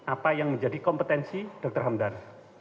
apa yang menjadi kompetensi dr hamdan